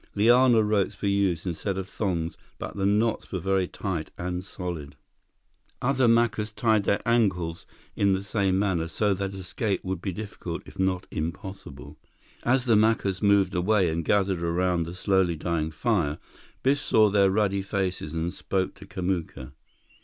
Liana ropes were used instead of thongs, but the knots were very tight and solid. Other Macus tied their ankles in the same manner, so that escape would be difficult, if not impossible. As the Macus moved away and gathered around the slowly dying fire, Biff saw their ruddy faces and spoke to Kamuka.